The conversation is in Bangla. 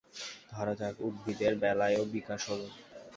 ধরা যাক উদ্ভিদের বেলায়ও বিকাশ হল।